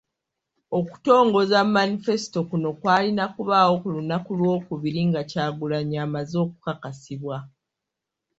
Okutongoza Manifesito kuno kw'alina kubaawo ku lunaku Lwokubiri nga Kyagulanyi amaze okukakasibwa.